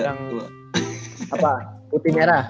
yang apa putih merah